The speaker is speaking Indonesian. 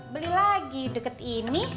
beli lagi deket ini